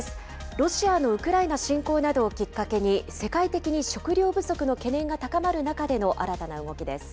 ロシアのウクライナ侵攻などをきっかけに、世界的に食料不足の懸念が高まる中での新たな動きです。